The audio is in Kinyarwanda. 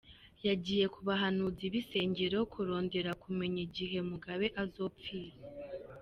"Yagiye ku bahanuzi b'isengero kurondera kumenya igihe Mugabe azopfira.